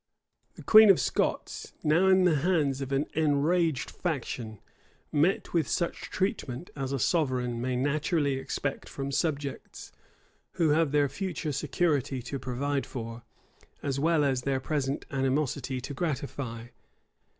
The queen of Scots, now in the hands of an enraged faction met with such treatment as a sovereign may naturally expect from subjects, who have their future security to provide for, as well as their present animosity to gratify.